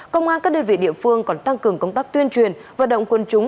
công an các địa vị địa phương còn tăng cường công tác tuyên truyền và động quân chúng